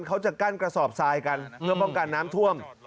เขาจะกั้นกระสอบทรายกันเพื่อป้องกันน้ำท่วม